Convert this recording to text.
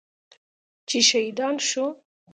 چې شهیدان شو.